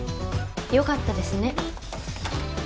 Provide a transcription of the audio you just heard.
よかったですね。